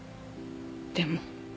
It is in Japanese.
でも。